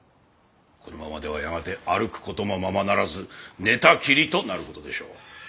このままではやがて歩く事もままならず寝たきりとなる事でしょう。